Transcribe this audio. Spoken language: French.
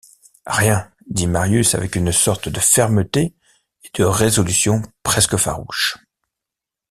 Rien, dit Marius avec une sorte de fermeté et de résolution presque farouche.